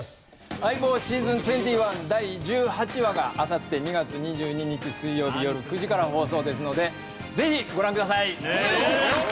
『相棒ｓｅａｓｏｎ２１』第１８話があさって２月２２日水曜日よる９時から放送ですのでぜひご覧ください！